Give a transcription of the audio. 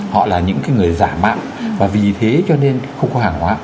họ là những người giả mạo và vì thế cho nên không có hàng hóa